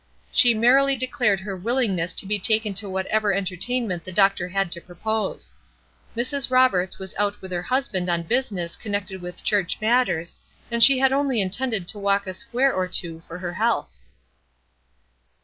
She merrily declared her willingness to be taken to whatever entertainment the doctor had to propose. Mrs. Roberts was out with her husband on business connected with church matters, and she had only intended to walk a square or two for her health.